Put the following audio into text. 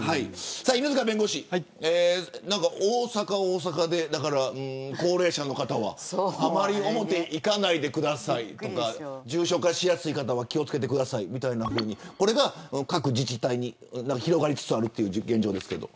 犬塚弁護士、大阪は大阪で高齢者の方はあまり表行かないでくださいとか重症化しやすい方は気を付けてくださいみたいなふうに各自治体に広がりつつあるという現状ですけど。